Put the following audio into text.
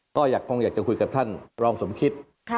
ก็คงอยากจะคุยกับท่านรองสมคิต